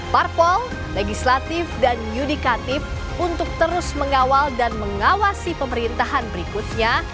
parpol legislatif dan yudikatif untuk terus mengawal dan mengawasi pemerintahan berikutnya